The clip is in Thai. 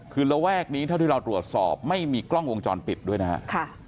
คือระแวกนี้เท่าที่เราตรวจสอบไม่มีกล้องวงจรปิดด้วยนะครับ